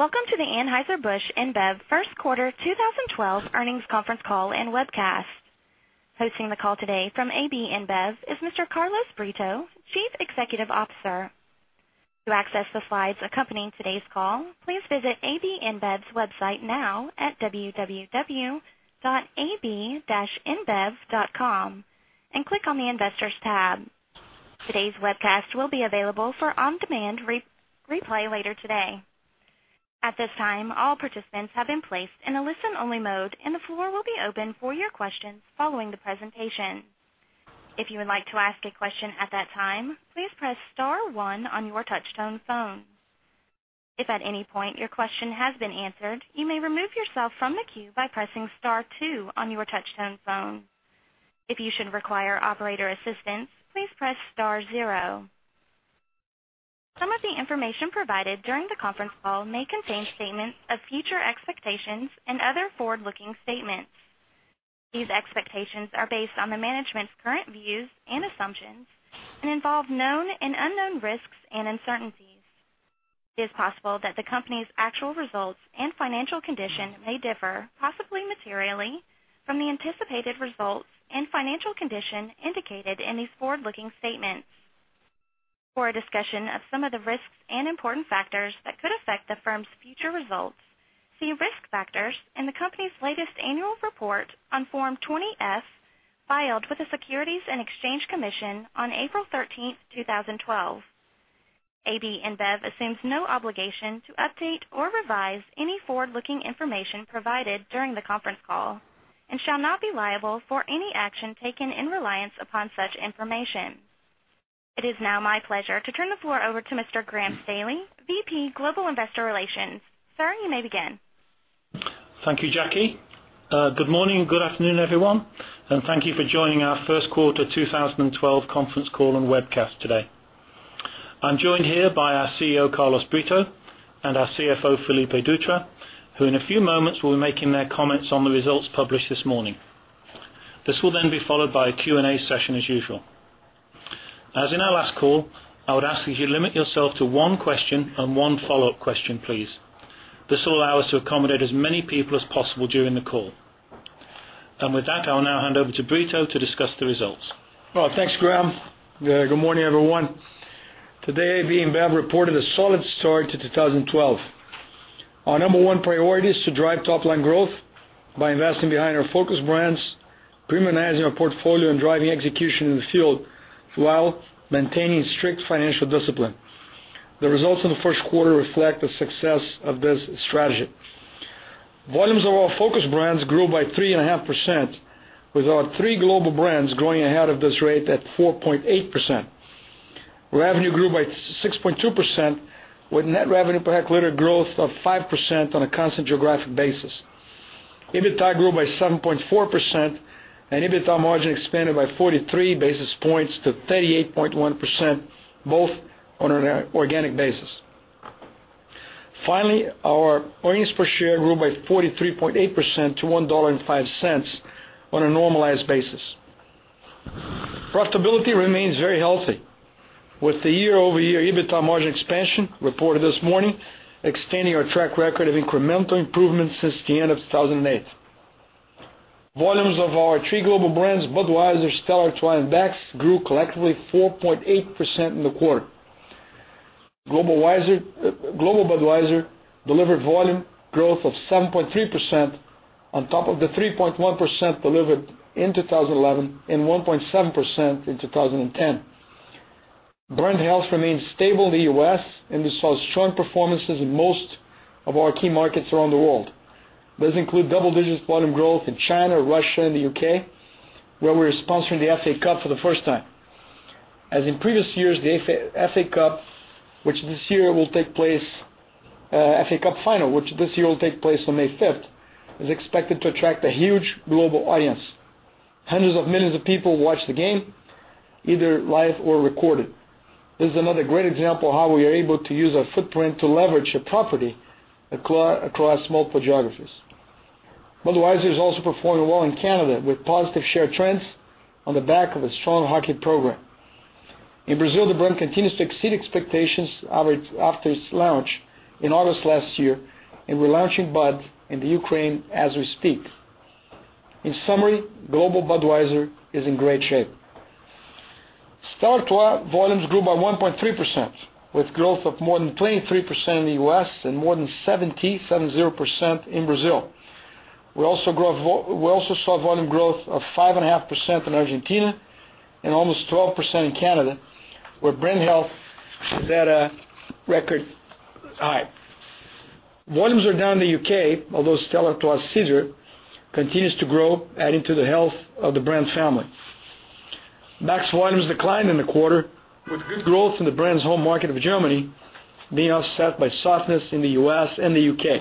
Welcome to the Anheuser-Busch InBev first quarter 2012 earnings conference call and webcast. Hosting the call today from AB InBev is Mr. Carlos Brito, Chief Executive Officer. To access the slides accompanying today's call, please visit ab-inbev.com and click on the Investors tab. Today's webcast will be available for on-demand replay later today. At this time, all participants have been placed in a listen-only mode. The floor will be open for your questions following the presentation. If you would like to ask a question at that time, please press star one on your touch-tone phone. If at any point your question has been answered, you may remove yourself from the queue by pressing star two on your touch-tone phone. If you should require operator assistance, please press star zero. Some of the information provided during the conference call may contain statements of future expectations and other forward-looking statements. These expectations are based on the management's current views and assumptions and involve known and unknown risks and uncertainties. It is possible that the company's actual results and financial condition may differ, possibly materially, from the anticipated results and financial condition indicated in these forward-looking statements. For a discussion of some of the risks and important factors that could affect the firm's future results, see risk factors in the company's latest annual report on Form 20-F filed with the Securities and Exchange Commission on April 13, 2012. AB InBev assumes no obligation to update or revise any forward-looking information provided during the conference call and shall not be liable for any action taken in reliance upon such information. It is now my pleasure to turn the floor over to Mr. Graham Staley, VP Global Investor Relations. Sir, you may begin. Thank you, Jackie. Good morning, good afternoon, everyone, and thank you for joining our first quarter 2012 conference call and webcast today. I'm joined here by our CEO, Carlos Brito, and our CFO, Felipe Dutra, who in a few moments will be making their comments on the results published this morning. This will then be followed by a Q&A session as usual. As in our last call, I would ask that you limit yourself to one question and one follow-up question, please. This will allow us to accommodate as many people as possible during the call. With that, I'll now hand over to Brito to discuss the results. Well, thanks, Graham. Good morning, everyone. Today, AB InBev reported a solid start to 2012. Our number one priority is to drive top-line growth by investing behind our focus brands, premiumizing our portfolio, and driving execution in the field, while maintaining strict financial discipline. The results in the first quarter reflect the success of this strategy. Volumes of our focus brands grew by 3.5%, with our three global brands growing ahead of this rate at 4.8%. Revenue grew by 6.2%, with net revenue per hectolitre growth of 5% on a constant geographic basis. EBIDTA grew by 7.4%, and EBIDTA margin expanded by 43 basis points to 38.1%, both on an organic basis. Finally, our earnings per share grew by 43.8% to $1.05 on a normalized basis. Profitability remains very healthy, with the year-over-year EBIDTA margin expansion reported this morning extending our track record of incremental improvements since the end of 2008. Volumes of our three global brands, Budweiser, Stella Artois, and Beck's, grew collectively 4.8% in the quarter. Global Budweiser delivered volume growth of 7.3% on top of the 3.1% delivered in 2011 and 1.7% in 2010. Brand health remains stable in the U.S., and we saw strong performances in most of our key markets around the world. This includes double-digit volume growth in China, Russia, and the U.K., where we're sponsoring the FA Cup for the first time. As in previous years, the FA Cup Final, which this year will take place on May 5th, is expected to attract a huge global audience. Hundreds of millions of people watch the game, either live or recorded. This is another great example how we are able to use our footprint to leverage a property across multiple geographies. Budweiser is also performing well in Canada, with positive share trends on the back of a strong hockey program. In Brazil, the brand continues to exceed expectations after its launch in August last year, we're launching Bud in the Ukraine as we speak. In summary, global Budweiser is in great shape. Stella Artois volumes grew by 1.3%, with growth of more than 23% in the U.S. and more than 70% in Brazil. We also saw volume growth of 5.5% in Argentina and almost 12% in Canada, where brand health is at a record high. Volumes are down in the U.K., although Stella Artois Cidre continues to grow, adding to the health of the brand family. Beck's volumes declined in the quarter with good growth in the brand's home market of Germany being offset by softness in the U.S. and the U.K.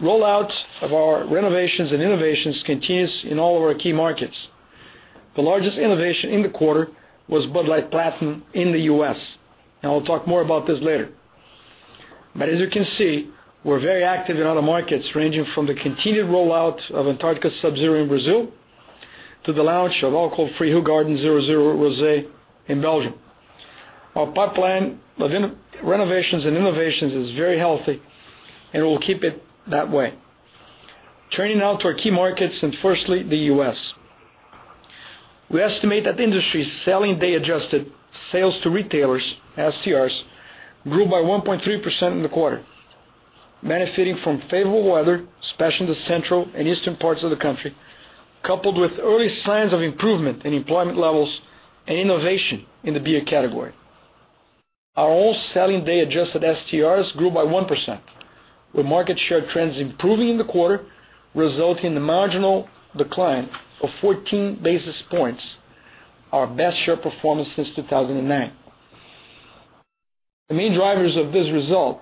Rollout of our renovations and innovations continues in all of our key markets. The largest innovation in the quarter was Bud Light Platinum in the U.S., I'll talk more about this later. As you can see, we're very active in other markets, ranging from the continued rollout of Antarctica Sub Zero in Brazil to the launch of alcohol-free Hoegaarden 0.0 Rosée in Belgium. Our pipeline of renovations and innovations is very healthy, and we'll keep it that way. Turning now to our key markets, and firstly, the U.S. We estimate that the industry's selling day adjusted Sales to Retailers, SDRs, grew by 1.3% in the quarter, benefiting from favorable weather, especially in the central and eastern parts of the country, coupled with early signs of improvement in employment levels and innovation in the beer category. Our own selling day-adjusted SDRs grew by 1%, with market share trends improving in the quarter, resulting in a marginal decline of 14 basis points, our best share performance since 2009. The main drivers of this result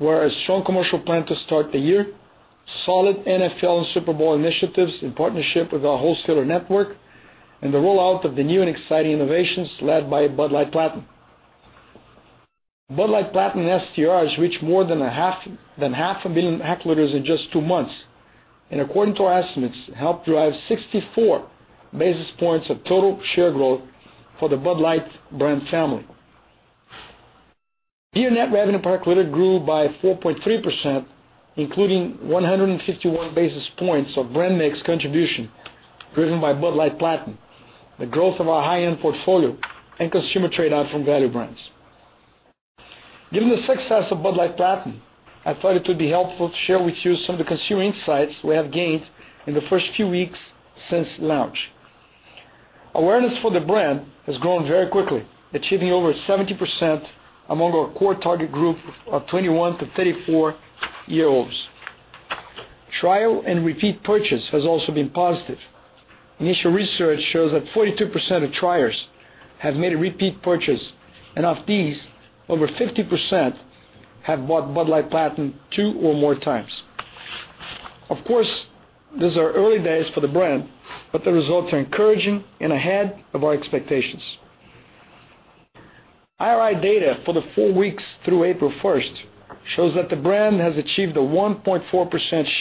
were a strong commercial plan to start the year, solid NFL and Super Bowl initiatives in partnership with our wholesaler network, and the rollout of the new and exciting innovations led by Bud Light Platinum. Bud Light Platinum SDRs reached more than half a million hectoliters in just two months. According to our estimates, it helped drive 64 basis points of total share growth for the Bud Light brand family. Beer net revenue per hectoliter grew by 4.3%, including 151 basis points of brand mix contribution driven by Bud Light Platinum, the growth of our high-end portfolio, and consumer trade out from value brands. Given the success of Bud Light Platinum, I thought it would be helpful to share with you some of the consumer insights we have gained in the first few weeks since launch. Awareness for the brand has grown very quickly, achieving over 70% among our core target group of 21 to 34-year-olds. Trial and repeat purchase has also been positive. Initial research shows that 42% of triers have made a repeat purchase. Of these, over 50% have bought Bud Light Platinum two or more times. Of course, these are early days for the brand, but the results are encouraging and ahead of our expectations. IRI data for the four weeks through April 1st shows that the brand has achieved a 1.4%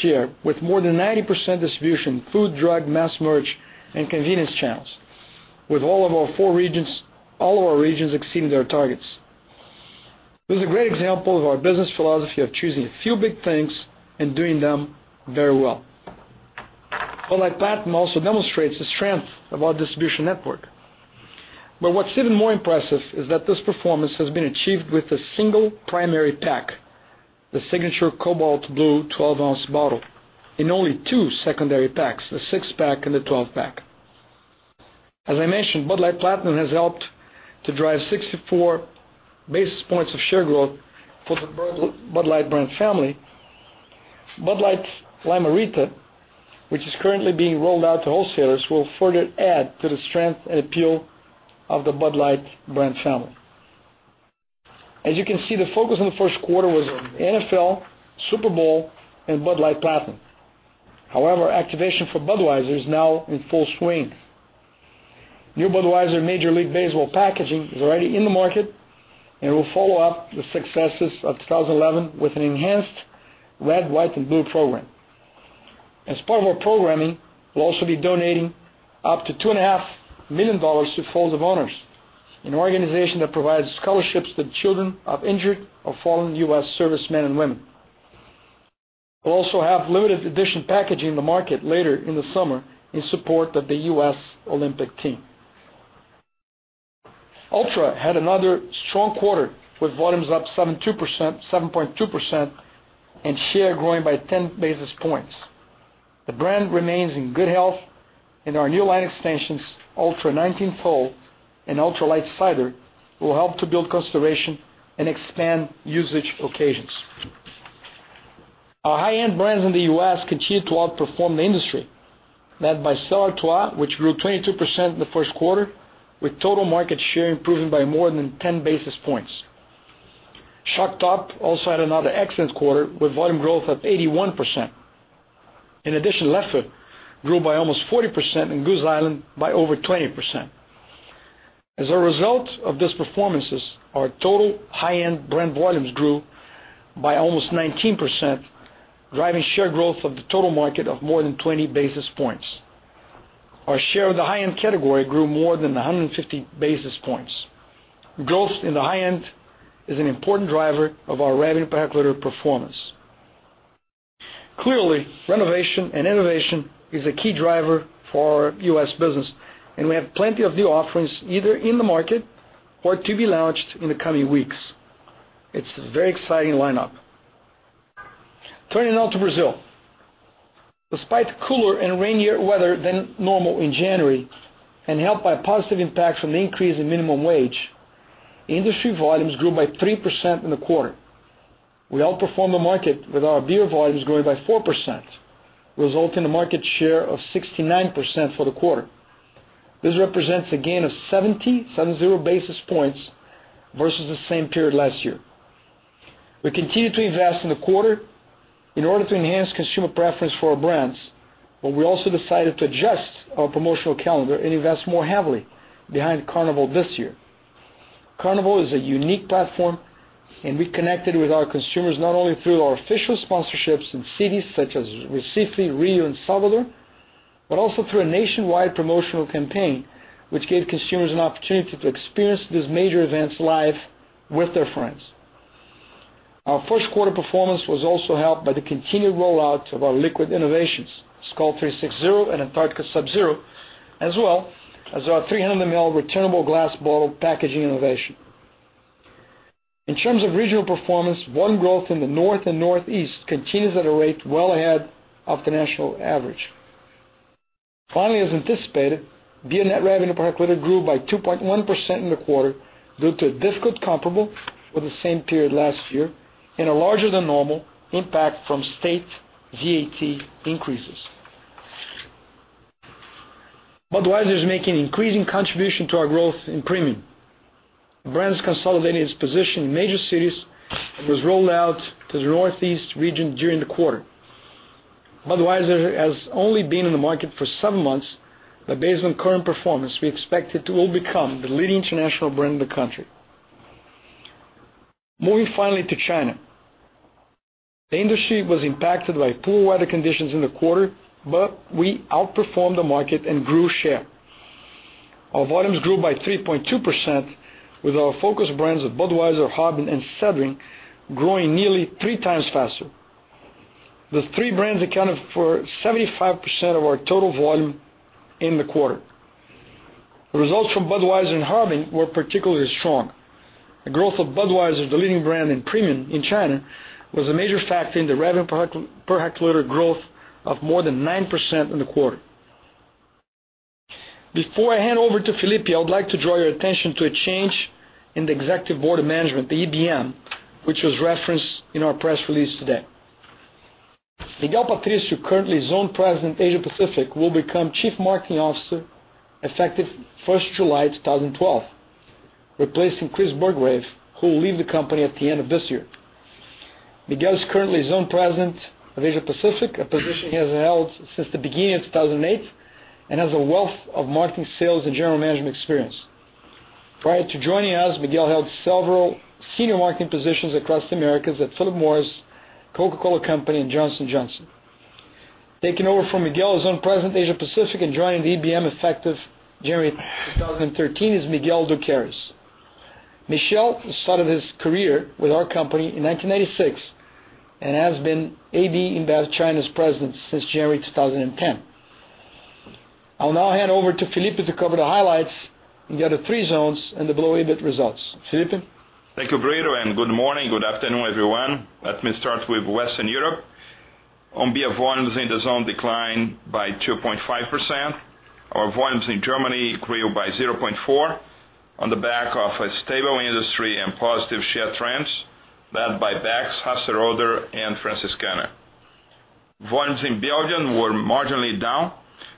share with more than 90% distribution through drug, mass merch, and convenience channels, with all of our regions exceeding their targets. This is a great example of our business philosophy of choosing a few big things and doing them very well. Bud Light Platinum also demonstrates the strength of our distribution network. What's even more impressive is that this performance has been achieved with a single primary pack, the signature cobalt blue 12-ounce bottle, in only two secondary packs, the six-pack and the 12-pack. As I mentioned, Bud Light Platinum has helped to drive 64 basis points of share growth for the Bud Light brand family. Bud Light Lime-A-Rita, which is currently being rolled out to wholesalers, will further add to the strength and appeal of the Bud Light brand family. As you can see, the focus on the first quarter was on NFL, Super Bowl, and Bud Light Platinum. Activation for Budweiser is now in full swing. New Budweiser Major League Baseball packaging is already in the market, and we'll follow up the successes of 2011 with an enhanced Red, White, and Blue program. As part of our programming, we'll also be donating up to $2.5 million to Folds of Honor, an organization that provides scholarships to the children of injured or fallen U.S. servicemen and women. We'll also have limited edition packaging in the market later in the summer in support of the U.S. Olympic team. Ultra had another strong quarter with volumes up 7.2% and share growing by 10 basis points. The brand remains in good health, and our new line extensions, Michelob Ultra 19th Hole and Michelob Ultra Light Cider, will help to build consideration and expand usage occasions. Our high-end brands in the U.S. continued to outperform the industry, led by Stella Artois, which grew 22% in the first quarter, with total market share improving by more than 10 basis points. Shock Top also had another excellent quarter with volume growth of 81%. In addition, Leffe grew by almost 40% and Goose Island by over 20%. As a result of these performances, our total high-end brand volumes grew by almost 19%, driving share growth of the total market of more than 20 basis points. Our share of the high-end category grew more than 150 basis points. Growth in the high-end is an important driver of our revenue per hectoliter performance. Clearly, renovation and innovation is a key driver for our U.S. business, and we have plenty of new offerings either in the market or to be launched in the coming weeks. It's a very exciting lineup. Turning now to Brazil. Despite cooler and rainier weather than normal in January, and helped by positive impacts from the increase in minimum wage, industry volumes grew by 3% in the quarter. We outperformed the market with our beer volumes growing by 4%, resulting in a market share of 69% for the quarter. This represents a gain of 70 basis points versus the same period last year. We continued to invest in the quarter in order to enhance consumer preference for our brands. We also decided to adjust our promotional calendar and invest more heavily behind Carnival this year. Carnival is a unique platform, and we connected with our consumers not only through our official sponsorships in cities such as Recife, Rio, and Salvador, but also through a nationwide promotional campaign, which gave consumers an opportunity to experience these major events live with their friends. Our first quarter performance was also helped by the continued rollout of our liquid innovations, Skol 360 and Antarctica Sub Zero, as well as our 300-mil returnable glass bottle packaging innovation. In terms of regional performance, volume growth in the North and Northeast continues at a rate well ahead of the national average. Finally, as anticipated, beer net revenue per hectoliter grew by 2.1% in the quarter due to a difficult comparable for the same period last year and a larger than normal impact from state VAT increases. Budweiser is making an increasing contribution to our growth in premium. The brand's consolidated its position in major cities and was rolled out to the Northeast region during the quarter. Based on current performance, we expect it to become the leading international brand in the country. Moving finally to China. The industry was impacted by poor weather conditions in the quarter. We outperformed the market and grew share. Our volumes grew by 3.2% with our focus brands of Budweiser, Harbin, and Sedrin growing nearly 3 times faster. Those three brands accounted for 75% of our total volume in the quarter. The results from Budweiser and Harbin were particularly strong. The growth of Budweiser, the leading brand in premium in China, was a major factor in the revenue per hectoliter growth of more than 9% in the quarter. Before I hand over to Felipe, I would like to draw your attention to a change in the Executive Board of Management, the EBM, which was referenced in our press release today. Miguel Patricio, currently Zone President Asia Pacific, will become Chief Marketing Officer effective 1st July 2012, replacing Chris Burggraeve, who will leave the company at the end of this year. Miguel is currently Zone President of Asia Pacific, a position he has held since the beginning of 2008, and has a wealth of marketing, sales, and general management experience. Prior to joining us, Miguel held several senior marketing positions across the Americas at Philip Morris, The Coca-Cola Company, and Johnson & Johnson. Taking over from Miguel as Zone President Asia Pacific and joining the EBM effective January 2013 is Michel Doukeris. Michel started his career with our company in 1986 and has been AB InBev China's president since January 2010. I'll now hand over to Felipe to cover the highlights in the other three zones and the below EBIT results. Felipe? Thank you, Brito. Good morning, good afternoon, everyone. Let me start with Western Europe. Beer volumes in the zone declined by 2.5%. Our volumes in Germany grew by 0.4% on the back of a stable industry and positive share trends led by Beck's, Hasseröder, and Franziskaner. Volumes in Belgium were marginally down,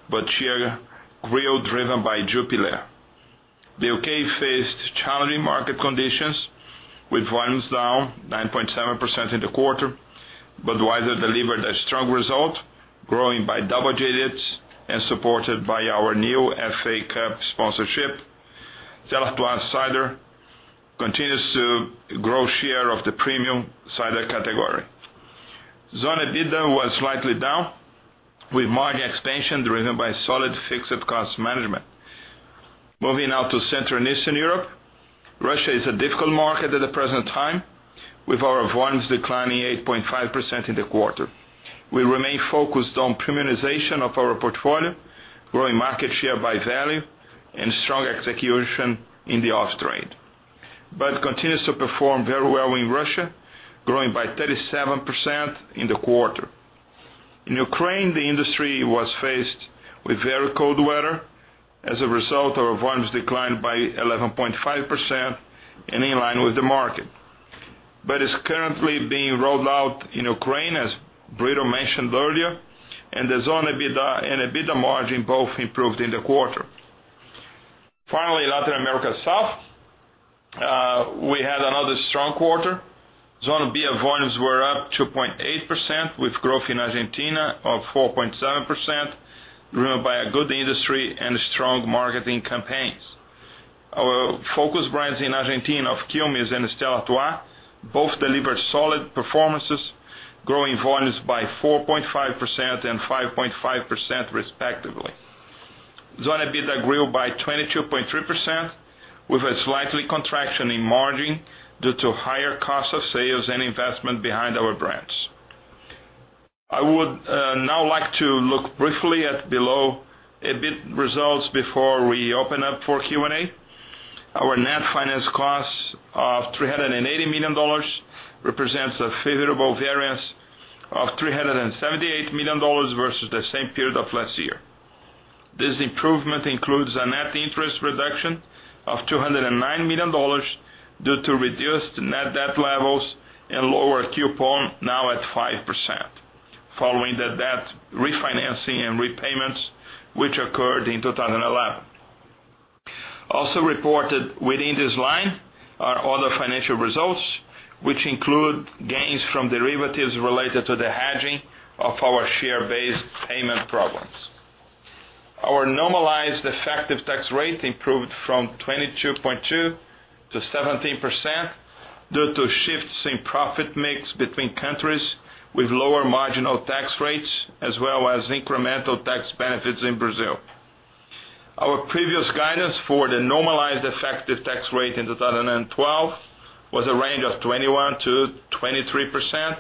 but share grew, driven by Jupiler. The U.K. faced challenging market conditions, with volumes down 9.7% in the quarter. Budweiser delivered a strong result, growing by double digits and supported by our new FA Cup sponsorship. Stella Artois Cidre continues to grow share of the premium cider category. Zone EBITDA was slightly down with margin expansion driven by solid fixed cost management. Moving now to Central and Eastern Europe. Russia is a difficult market at the present time, with our volumes declining 8.5% in the quarter. We remain focused on premiumization of our portfolio, growing market share by value, and strong execution in the off-trade. Bud continues to perform very well in Russia, growing by 37% in the quarter. In Ukraine, the industry was faced with very cold weather. As a result, our volumes declined by 11.5% and in line with the market. Bud is currently being rolled out in Ukraine, as Brito mentioned earlier. The zone EBITDA and EBITDA margin both improved in the quarter. Finally, Latin America South. We had another strong quarter. Zone beer volumes were up 2.8%, with growth in Argentina of 4.7%, driven by a good industry and strong marketing campaigns. Our focus brands in Argentina of Quilmes and Stella Artois both delivered solid performances, growing volumes by 4.5% and 5.5% respectively. Zone EBITDA grew by 22.3%, with a slight contraction in margin due to higher cost of sales and investment behind our brands. I would now like to look briefly at below EBIT results before we open up for Q&A. Our net finance cost of $380 million represents a favorable variance of $378 million versus the same period of last year. This improvement includes a net interest reduction of $209 million due to reduced net debt levels and lower coupon now at 5%, following the debt refinancing and repayments which occurred in 2011. Also reported within this line are other financial results, which include gains from derivatives related to the hedging of our share-based payment program. Our normalized effective tax rate improved from 22.2% to 17%, due to shifts in profit mix between countries with lower marginal tax rates, as well as incremental tax benefits in Brazil. Our previous guidance for the normalized effective tax rate in 2012 was a range of 21%-23%.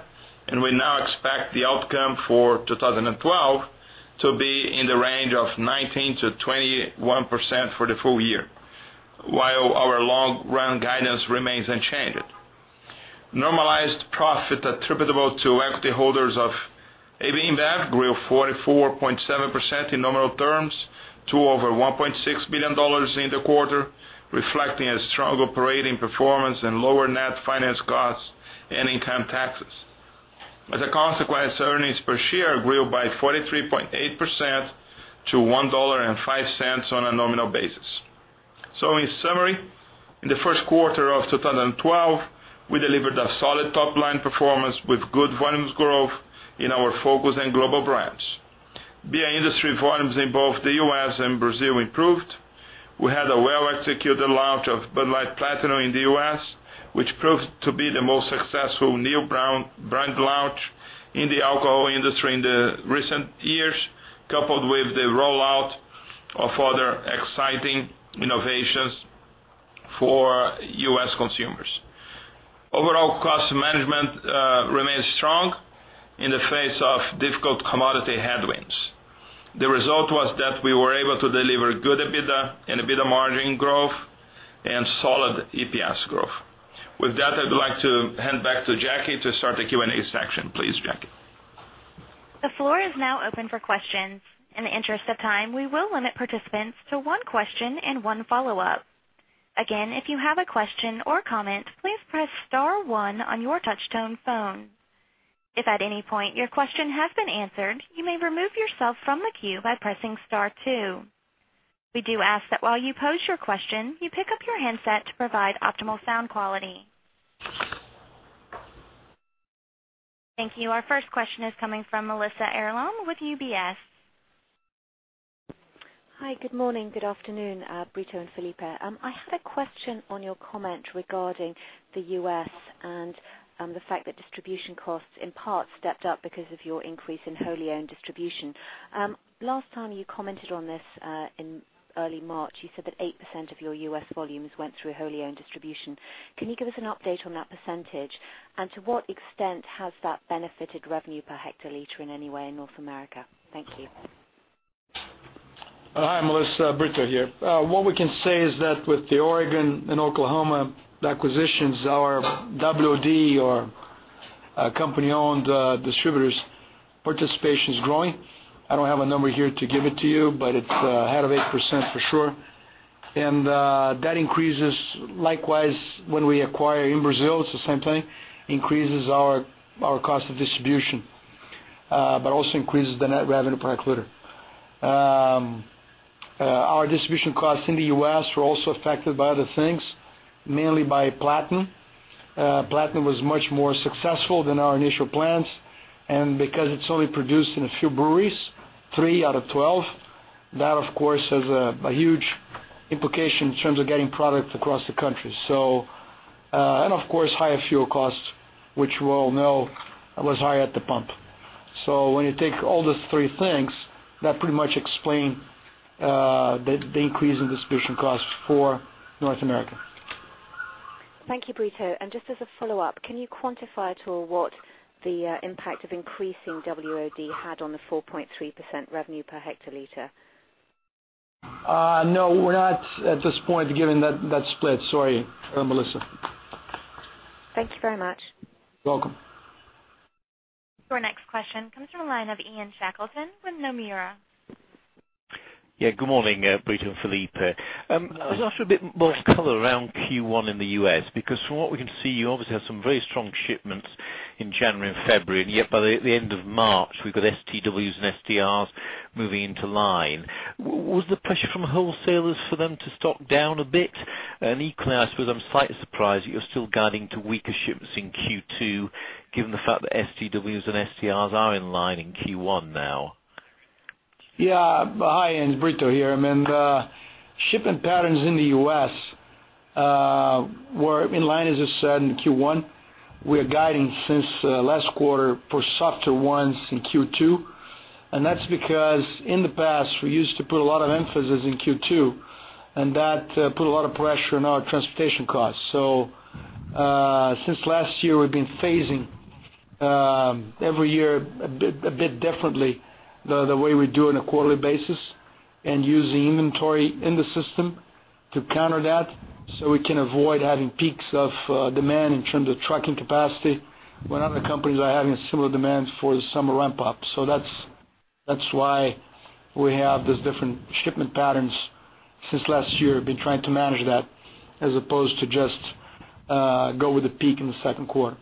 We now expect the outcome for 2012 to be in the range of 19%-21% for the full year, while our long-run guidance remains unchanged. Normalized profit attributable to equity holders of AB InBev grew 44.7% in nominal terms, to over $1.6 billion in the quarter, reflecting a strong operating performance and lower net finance costs and income taxes. As a consequence, earnings per share grew by 43.8% to $1.05 on a nominal basis. In summary, in the first quarter of 2012, we delivered a solid top-line performance with good volumes growth in our focus and global brands. Beer industry volumes in both the U.S. and Brazil improved. We had a well-executed launch of Bud Light Platinum in the U.S., which proved to be the most successful new brand launch in the alcohol industry in recent years, coupled with the rollout of other exciting innovations for U.S. consumers. Overall cost management remains strong in the face of difficult commodity headwinds. The result was that we were able to deliver good EBITDA and EBITDA margin growth and solid EPS growth. With that, I'd like to hand back to Jackie to start the Q&A section. Please, Jackie. The floor is now open for questions. In the interest of time, we will limit participants to one question and one follow-up. Again, if you have a question or comment, please press *1 on your touch-tone phone. If at any point your question has been answered, you may remove yourself from the queue by pressing *2. We do ask that while you pose your question, you pick up your handset to provide optimal sound quality. Thank you. Our first question is coming from Melissa Earlam with UBS. Hi. Good morning. Good afternoon, Brito and Felipe. I had a question on your comment regarding the U.S. and the fact that distribution costs in part stepped up because of your increase in wholly owned distribution. Last time you commented on this, in early March, you said that 8% of your U.S. volumes went through wholly owned distribution. Can you give us an update on that percentage, and to what extent has that benefited revenue per hectoliter in any way in North America? Thank you. Hi, Melissa. Brito here. What we can say is that with the Oregon and Oklahoma acquisitions, our WOD or company-owned distributors' participation is growing. I don't have a number here to give it to you, but it's ahead of 8% for sure. That increases, likewise, when we acquire in Brazil, it's the same thing, increases our cost of distribution. Also increases the net revenue per hectoliter. Our distribution costs in the U.S. were also affected by other things, mainly by Platinum. Platinum was much more successful than our initial plans, because it's only produced in a few breweries, 3 out of 12, that, of course, has a huge implication in terms of getting product across the country. Of course, higher fuel costs, which we all know was higher at the pump. When you take all those three things, that pretty much explain the increase in distribution costs for North America. Thank you, Brito. Just as a follow-up, can you quantify at all what the impact of increasing WOD had on the 4.3% revenue per hectoliter? No, we're not at this point giving that split. Sorry, Melissa. Thank you very much. Welcome. Our next question comes from the line of Ian Shackleton with Nomura. Good morning, Brito and Felipe. I was after a bit more color around Q1 in the U.S., because from what we can see, you obviously have some very strong shipments in January and February, yet by the end of March, we've got STWs and STRs moving into line. Was the pressure from wholesalers for them to stock down a bit? Equally, I suppose I'm slightly surprised that you're still guiding to weaker shipments in Q2, given the fact that STWs and STRs are in line in Q1 now. Hi, Ian. It's Brito here. Shipping patterns in the U.S. were in line, as you said, in Q1. We're guiding since last quarter for softer ones in Q2, and that's because in the past, we used to put a lot of emphasis in Q2, and that put a lot of pressure on our transportation costs. Since last year, we've been phasing every year a bit differently the way we do on a quarterly basis and use the inventory in the system to counter that, so we can avoid having peaks of demand in terms of trucking capacity when other companies are having a similar demand for the summer ramp-up. That's why we have these different shipment patterns since last year. We've been trying to manage that as opposed to just go with the peak in the second quarter.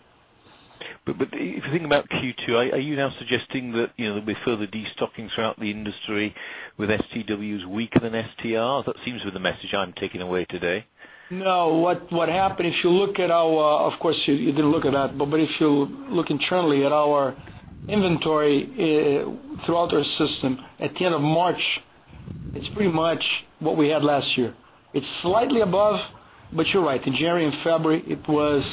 If you think about Q2, are you now suggesting that there'll be further destocking throughout the industry with STWs weaker than STR? That seems to be the message I'm taking away today. What happened, if you look at our, of course, you didn't look at that, if you look internally at our inventory throughout our system at the end of March, it's pretty much what we had last year. It's slightly above, you're right, in January and February, it was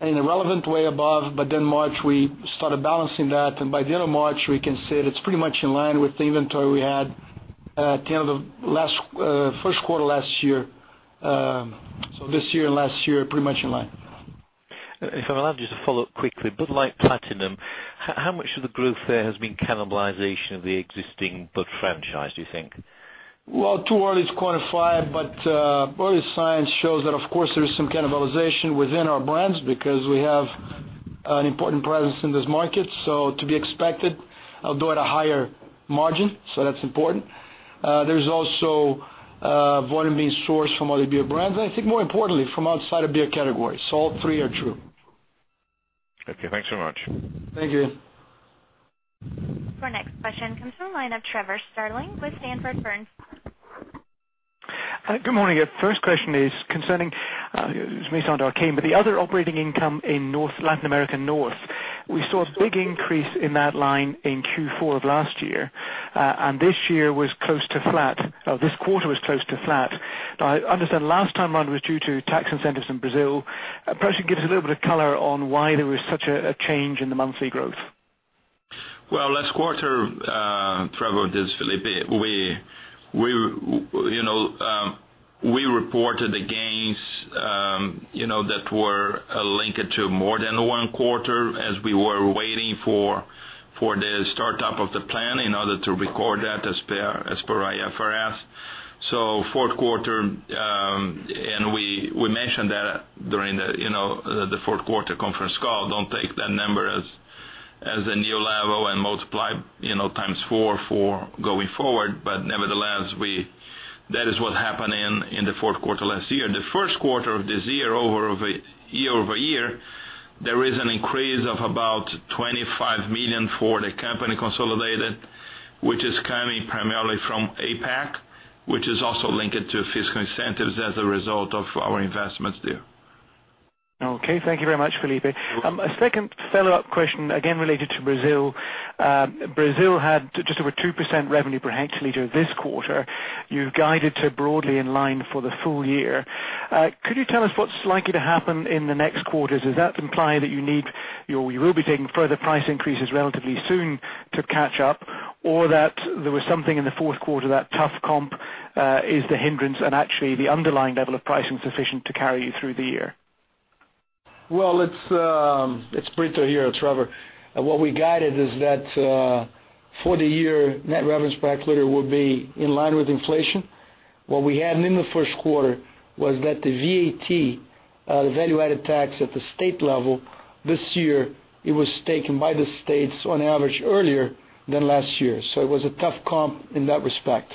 in a relevant way above, March, we started balancing that, and by the end of March, we can say that it's pretty much in line with the inventory we had at the end of the first quarter last year. This year and last year are pretty much in line. If I'm allowed just to follow up quickly. Bud Light Platinum, how much of the growth there has been cannibalization of the existing Bud franchise, do you think? Well, too early to quantify, but early signs show that, of course, there is some cannibalization within our brands because we have an important presence in this market, so to be expected, although at a higher margin, so that's important. There's also volume being sourced from other beer brands, and I think more importantly, from outside of beer category. All three are true. Okay, thanks so much. Thank you. Our next question comes from the line of Trevor Stirling with Sanford Bernstein. Good morning. First question is concerning, this may sound arcane, but the other operating income in Latin American North. We saw a big increase in that line in Q4 of last year. This year was close to flat. This quarter was close to flat. I understand last time around it was due to tax incentives in Brazil. Perhaps you can give us a little bit of color on why there was such a change in the monthly growth. Last quarter, Trevor, this is Felipe. We reported the gains that were linked to more than one quarter as we were waiting for the startup of the plan in order to record that as per IFRS. Fourth quarter, and we mentioned that during the fourth quarter conference call, don't take that number as a new level and multiply times four for going forward. Nevertheless, that is what happened in the fourth quarter last year. The first quarter of this year-over-year, there is an increase of about $25 million for the company consolidated, which is coming primarily from APAC, which is also linked to fiscal incentives as a result of our investments there. Okay. Thank you very much, Felipe. A second follow-up question, again, related to Brazil. Brazil had just over 2% revenue per hectoliter this quarter. You've guided to broadly in line for the full year. Could you tell us what's likely to happen in the next quarters? Does that imply that you will be taking further price increases relatively soon to catch up? That there was something in the fourth quarter, that tough comp is the hindrance and actually the underlying level of price is sufficient to carry you through the year? It's Brito here, Trevor. What we guided is that for the year, net revenue per hectoliter will be in line with inflation. What we had in the first quarter was that the VAT, the value-added tax at the state level, this year, it was taken by the states on average earlier than last year. It was a tough comp in that respect.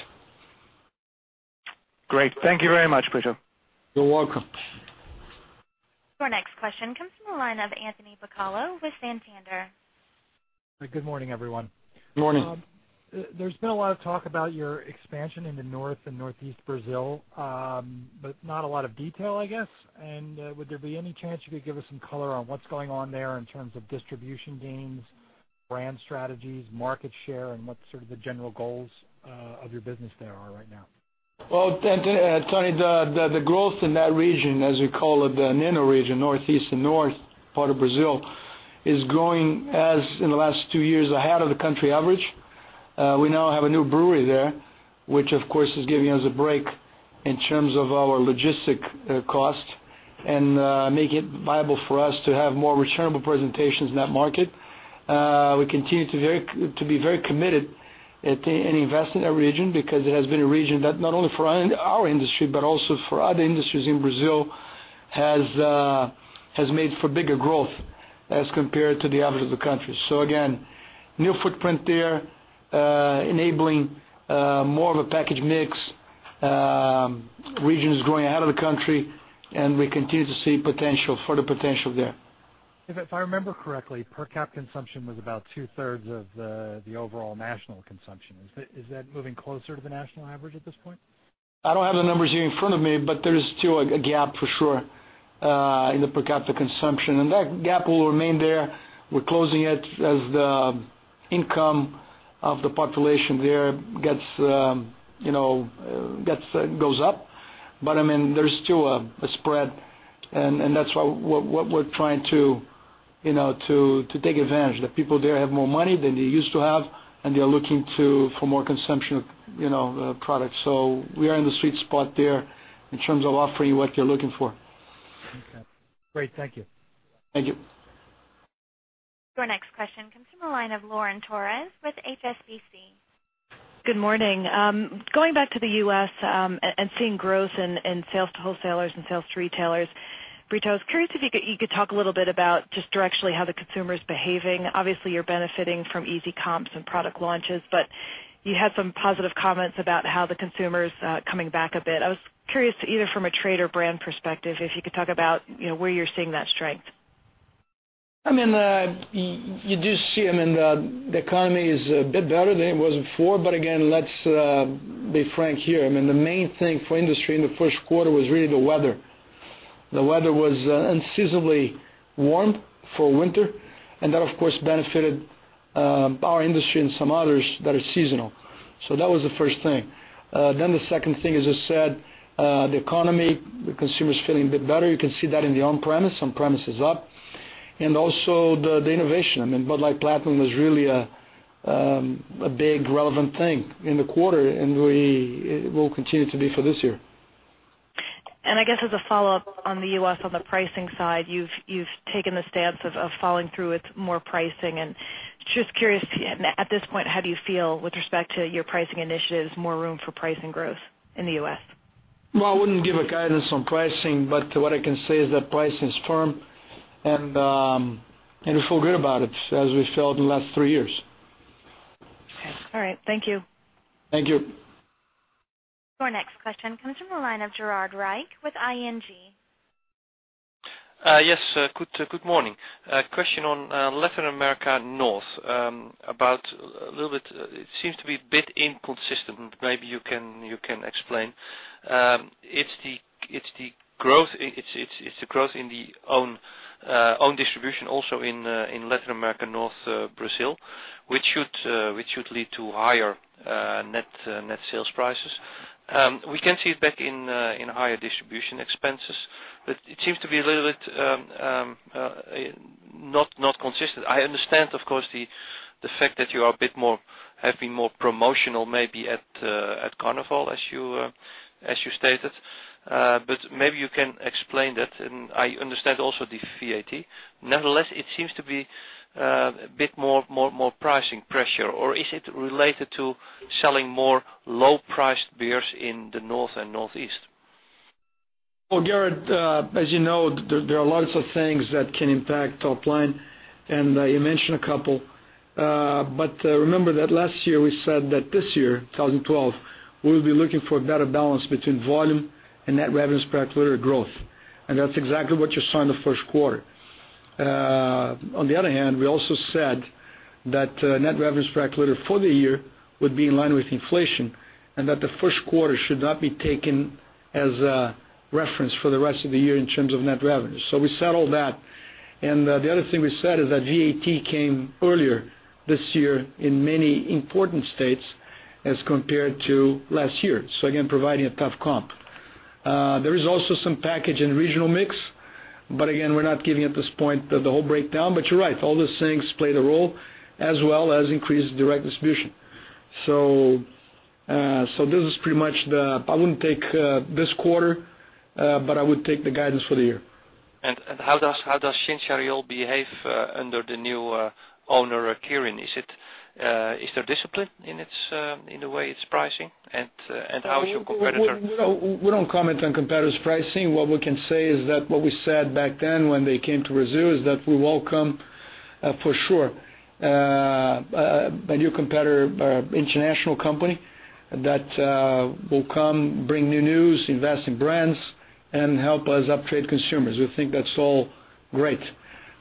Great. Thank you very much, Brito. You're welcome. Our next question comes from the line of Anthony Bucalo with Santander. Good morning, everyone. Morning. There's been a lot of talk about your expansion in the North and Northeast Brazil, not a lot of detail, I guess. Would there be any chance you could give us some color on what's going on there in terms of distribution gains, brand strategies, market share, and what sort of the general goals of your business there are right now? Well, Tony, the growth in that region, as we call it, the NENO region, Northeast and North part of Brazil, is growing as in the last two years ahead of the country average. We now have a new brewery there, which of course is giving us a break in terms of our logistic cost and make it viable for us to have more returnable presentations in that market. We continue to be very committed and invest in that region because it has been a region that not only for our industry, but also for other industries in Brazil, has made for bigger growth as compared to the average of the country. Again, new footprint there, enabling more of a package mix. Region is growing out of the country, and we continue to see further potential there. If I remember correctly, per capita consumption was about two-thirds of the overall national consumption. Is that moving closer to the national average at this point? I don't have the numbers here in front of me, there is still a gap for sure in the per capita consumption and that gap will remain there. We're closing it as the income of the population there goes up. There's still a spread and that's what we're trying to take advantage. The people there have more money than they used to have, and they're looking for more consumption of the product. We are in the sweet spot there in terms of offering what they're looking for. Okay. Great. Thank you. Thank you. Your next question comes from the line of Lauren Torres with HSBC. Good morning. Going back to the U.S. and seeing growth in sales to wholesalers and sales to retailers, Brito, I was curious if you could talk a little bit about just directionally how the consumer's behaving. Obviously, you're benefiting from easy comps and product launches, but you had some positive comments about how the consumer's coming back a bit. I was curious to either from a trade or brand perspective, if you could talk about where you're seeing that strength. You do see, the economy is a bit better than it was before. Again, let's be frank here. The main thing for industry in the first quarter was really the weather. The weather was unseasonably warm for winter, and that, of course, benefited our industry and some others that are seasonal. That was the first thing. The second thing, as I said, the economy, the consumer's feeling a bit better. You can see that in the on-premise. On-premise is up. Also the innovation. Bud Light Platinum was really a big relevant thing in the quarter, and it will continue to be for this year. I guess as a follow-up on the U.S., on the pricing side, you've taken the stance of following through with more pricing. Just curious, at this point, how do you feel with respect to your pricing initiatives, more room for pricing growth in the U.S.? Well, I wouldn't give a guidance on pricing, what I can say is that pricing is firm, and we feel good about it, as we felt in the last three years. Okay. All right. Thank you. Thank you. Your next question comes from the line of Gerard Rijk with ING. Yes. Good morning. A question on Latin America North. It seems to be a bit inconsistent. Maybe you can explain. It's the growth in the own distribution also in Latin America, North Brazil, which should lead to higher net sales prices. We can see it back in higher distribution expenses. It seems to be a little bit not consistent. I understand, of course, the fact that you are a bit more, have been more promotional maybe at Carnival as you stated. Maybe you can explain that, and I understand also the VAT. Nevertheless, it seems to be a bit more pricing pressure, or is it related to selling more low-priced beers in the North and Northeast? Well, Gerard, as you know, there are lots of things that can impact top line, and you mentioned a couple. Remember that last year we said that this year, 2012, we'll be looking for a better balance between volume and net revenue spread per liter growth. That's exactly what you saw in the first quarter. On the other hand, we also said that net revenue spread per liter for the year would be in line with inflation, and that the first quarter should not be taken as a reference for the rest of the year in terms of net revenue. We said all that. The other thing we said is that VAT came earlier this year in many important states as compared to last year. Again, providing a tough comp. There is also some package and regional mix, again, we're not giving at this point the whole breakdown. You're right, all those things play the role as well as increased direct distribution. This is pretty much I wouldn't take this quarter, but I would take the guidance for the year. How does Schincariol behave under the new owner at Kirin? Is there discipline in the way it's pricing? How is your competitor? We don't comment on competitors' pricing. What we can say is that what we said back then when they came to Brazil is that we welcome, for sure, a new competitor, international company that will come bring new news, invest in brands, and help us upgrade consumers. We think that's all great.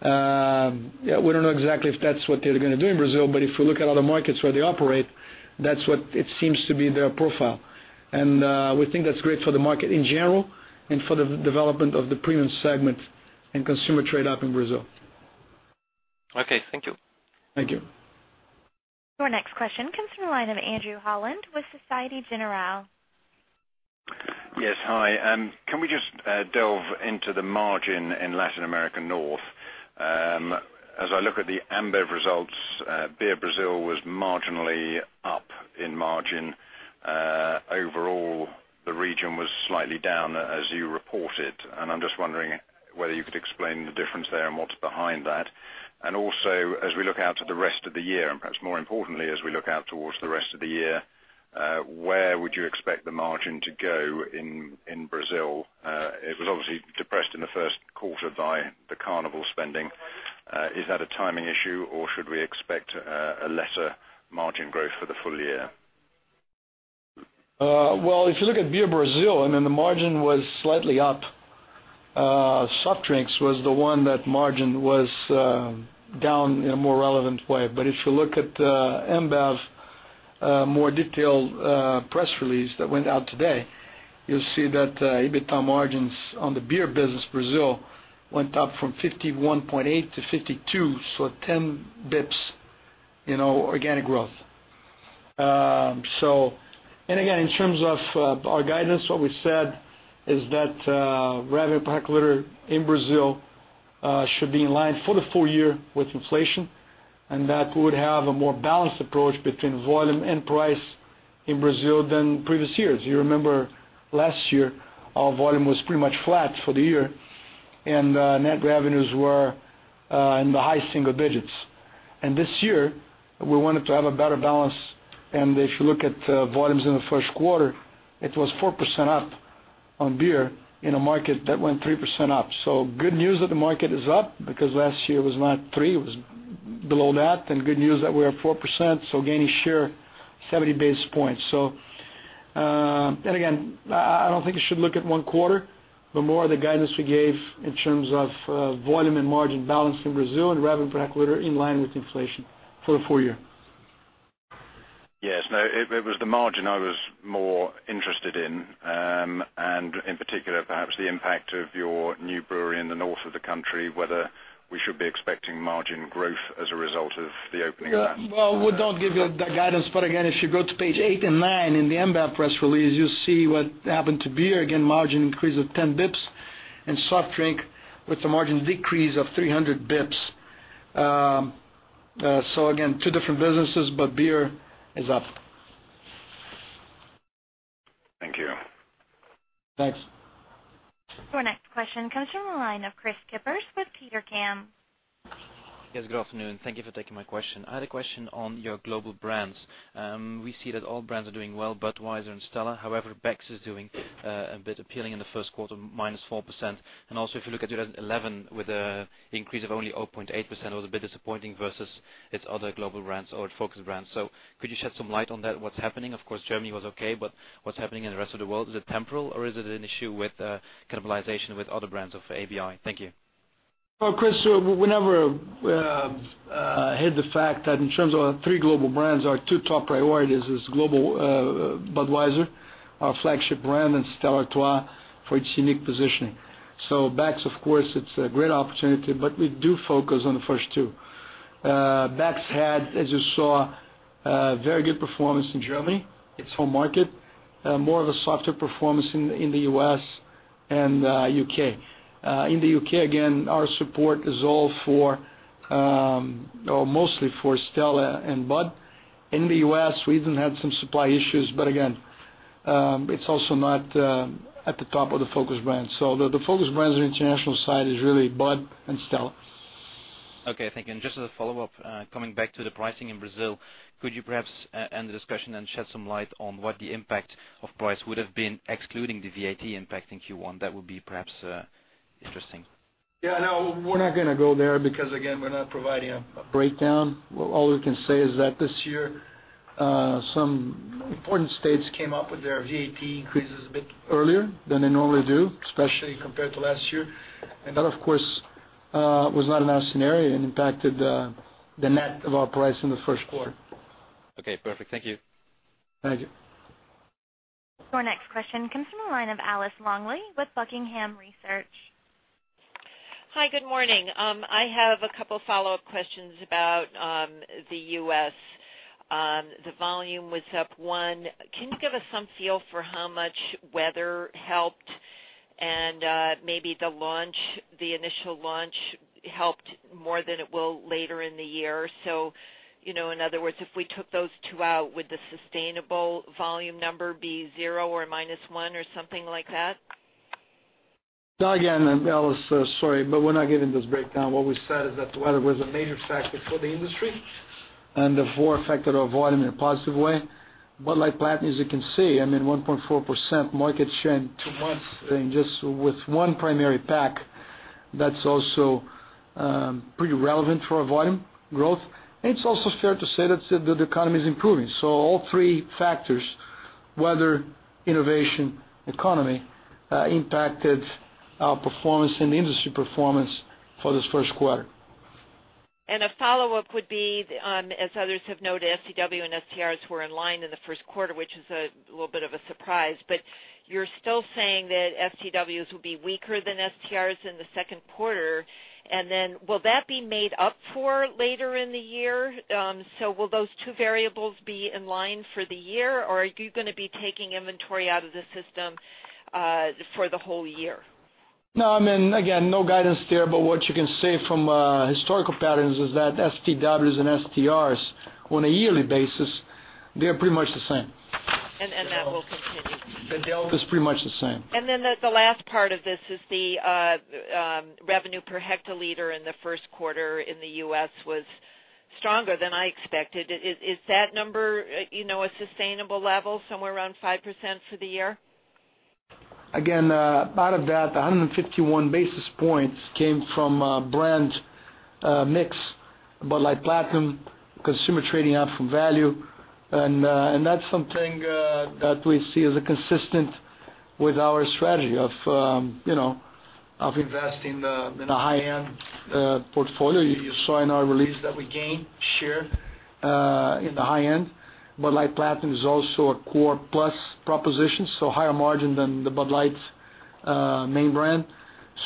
We don't know exactly if that's what they're going to do in Brazil, but if we look at other markets where they operate, that's what it seems to be their profile. We think that's great for the market in general and for the development of the premium segment and consumer trade up in Brazil. Okay. Thank you. Thank you. Your next question comes from the line of Andrew Holland with Societe Generale. Yes. Hi. Can we just delve into the margin in Latin America North? As I look at the AmBev results, Beer Brazil was marginally up in margin. Overall, the region was slightly down as you reported, and I'm just wondering whether you could explain the difference there and what's behind that. Also, as we look out towards the rest of the year, and perhaps more importantly, where would you expect the margin to go in Brazil? It was obviously depressed in the first quarter by the Carnival spending. Is that a timing issue or should we expect a lesser margin growth for the full year? Well, if you look at Beer Brazil, the margin was slightly up. Soft drinks was the one that margin was down in a more relevant way. If you look at AmBev's more detailed press release that went out today, you'll see that EBITDA margins on the beer business Brazil went up from 51.8 to 52. So 10 basis points organic growth. Again, in terms of our guidance, what we said is that revenue per liter in Brazil should be in line for the full year with inflation, and that we would have a more balanced approach between volume and price in Brazil than previous years. You remember last year, our volume was pretty much flat for the year, and net revenues were in the high single digits. This year, we wanted to have a better balance, and if you look at volumes in the first quarter, it was 4% up on beer in a market that went 3% up. Good news that the market is up because last year it was not 3%, it was below that, and good news that we are 4%, so gaining share 70 basis points. Again, I don't think you should look at one quarter, but more the guidance we gave in terms of volume and margin balance in Brazil and revenue per hectoliter in line with inflation for the full year. Yes. No, it was the margin I was more interested in. In particular, perhaps the impact of your new brewery in the north of the country, whether we should be expecting margin growth as a result of the opening of that. We don't give that guidance, but again, if you go to page eight and nine in the AmBev press release, you'll see what happened to beer. Again, margin increase of 10 basis points and soft drink with a margin decrease of 300 basis points. Again, two different businesses, but beer is up. Thank you. Thanks. Your next question comes from the line of Kris Kippers with Petercam. Yes, good afternoon. Thank you for taking my question. I had a question on your global brands. We see that all brands are doing well, Budweiser and Stella. However, Beck's is doing a bit appealing in the first quarter, minus 4%. Also if you look at 2011 with an increase of only 0.8%, it was a bit disappointing versus its other global brands or its focus brands. Could you shed some light on that? What's happening? Of course, Germany was okay, but what's happening in the rest of the world? Is it temporal or is it an issue with cannibalization with other brands of ABI? Thank you. Well, Kris, we never hid the fact that in terms of our three global brands, our two top priorities is global Budweiser, our flagship brand, and Stella Artois for its unique positioning. Beck's, of course, it's a great opportunity, but we do focus on the first two. Beck's had, as you saw, very good performance in Germany, its home market, more of a softer performance in the U.S. and U.K. In the U.K., again, our support is all for or mostly for Stella and Bud. In the U.S., we even had some supply issues, but again, it's also not at the top of the focus brands. The focus brands on the international side is really Bud and Stella. Okay, thank you. Just as a follow-up, coming back to the pricing in Brazil, could you perhaps end the discussion and shed some light on what the impact of price would've been excluding the VAT impact in Q1? That would be perhaps interesting. Yeah, no, we're not going to go there because, again, we're not providing a breakdown. All we can say is that this year, some important states came up with their VAT increases a bit earlier than they normally do, especially compared to last year. That, of course, was not in our scenario and impacted the net of our price in the first quarter. Okay, perfect. Thank you. Thank you. Your next question comes from the line of Alice Longley with Buckingham Research. Hi, good morning. I have a couple follow-up questions about the U.S. The volume was up 1. Can you give us some feel for how much weather helped and maybe the initial launch helped more than it will later in the year? In other words, if we took those two out, would the sustainable volume number be 0 or minus 1 or something like that? Again, Alice, sorry, we're not giving this breakdown. What we said is that the weather was a major factor for the industry and therefore affected our volume in a positive way. Like Platinum, as you can see, I mean, 1.4% market share in 2 months, and just with 1 primary pack, that's also pretty relevant for our volume growth. It's also fair to say that the economy's improving. All 3 factors, weather, innovation, economy, impacted our performance and the industry performance for this first quarter. A follow-up would be, as others have noted, STW and STRs were in line in the first quarter, which is a little bit of a surprise, you're still saying that STWs will be weaker than STRs in the second quarter, will that be made up for later in the year? Will those 2 variables be in line for the year, or are you going to be taking inventory out of the system for the whole year? No, I mean, again, no guidance there, what you can say from a historical patterns is that STWs and STRs, on a yearly basis, they're pretty much the same. That will continue. It's pretty much the same. The last part of this is the revenue per hectoliter in the first quarter in the U.S. was stronger than I expected. Is that number a sustainable level, somewhere around 5% for the year? Again, out of that, 151 basis points came from a brand mix, Bud Light Platinum, consumer trading up from value. That's something that we see as a consistent with our strategy of investing in a high-end portfolio. You saw in our release that we gained share in the high end. Bud Light Platinum is also a core plus proposition, higher margin than the Bud Light main brand.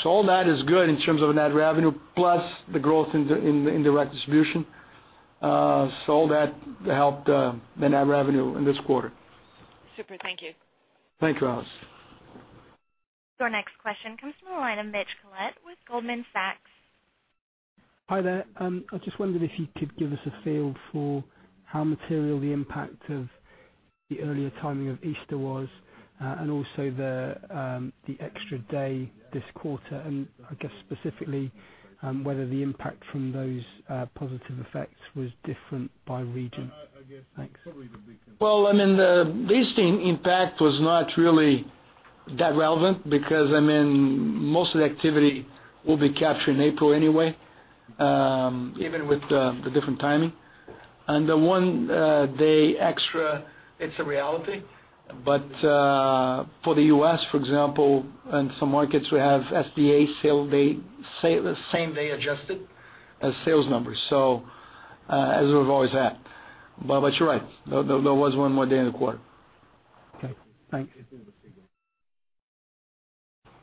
All that is good in terms of net revenue plus the growth in the direct distribution. All that helped the net revenue in this quarter. Super. Thank you. Thank you, Alice. Your next question comes from the line of Mitch Collett with Goldman Sachs. Hi there. I just wondered if you could give us a feel for how material the impact of the earlier timing of Easter was, and also the extra day this quarter, and I guess specifically, whether the impact from those positive effects was different by region. Thanks. Well, I mean, the Easter impact was not really that relevant because, most of the activity will be captured in April anyway, even with the different timing. The one day extra, it's a reality. For the U.S., for example, and some markets we have SDA same day adjusted sales numbers. As we've always had. You're right, there was one more day in the quarter. Okay, thanks.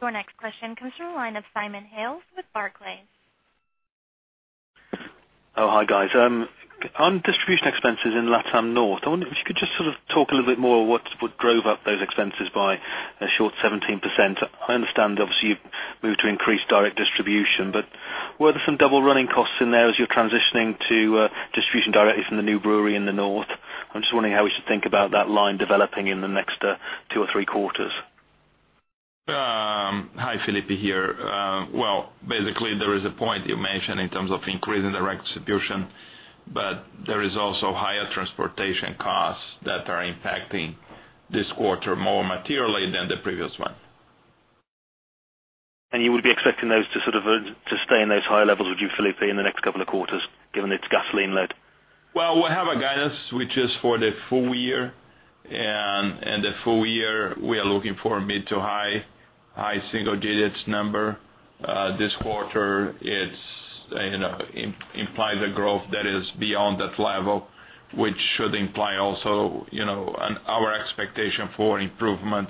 Your next question comes from the line of Simon Hales with Barclays. Hi guys. On distribution expenses in LATAM North, I wonder if you could just talk a little bit more what drove up those expenses by a short 17%? Were there some double running costs in there as you're transitioning to distribution directly from the new brewery in the north? I'm just wondering how we should think about that line developing in the next two or three quarters. Hi, Felipe here. Well, basically, there is a point you mentioned in terms of increasing direct distribution, there is also higher transportation costs that are impacting this quarter more materially than the previous one. You would be expecting those to stay in those higher levels, would you, Felipe, in the next couple of quarters, given its gasoline led? Well, we have a guidance which is for the full year. The full year, we are looking for a mid to high single digits number. This quarter implies a growth that is beyond that level, which should imply also our expectation for improvement